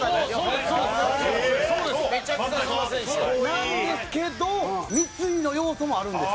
なんですけど三井の要素もあるんです。